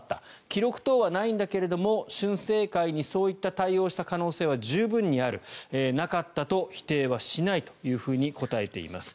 記録等はないんだけども俊世会にそういった対応をした可能性は十分にあるなかったと否定はしないと答えています。